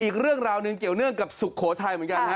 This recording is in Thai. อีกเรื่องราวหนึ่งเกี่ยวเนื่องกับสุโขทัยเหมือนกันฮะ